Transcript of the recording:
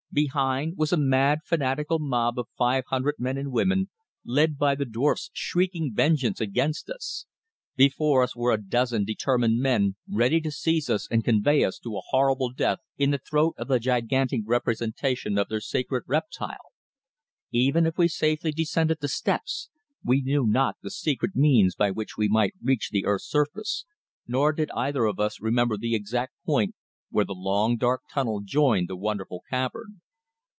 Behind, was a mad, fanatical mob of five hundred men and women led by the dwarfs shrieking vengeance against us; before us were a dozen determined men ready to seize us and convey us to a horrible death in the throat of the gigantic representation of their sacred reptile. Even if we safely descended the steps, we knew not the secret means by which we might reach the earth's surface, nor did either of us remember the exact point where the long dark tunnel joined the wonderful cavern.